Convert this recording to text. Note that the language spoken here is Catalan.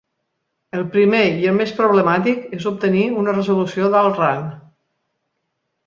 El primer, i el més problemàtic, és obtenir una resolució d'alt rang.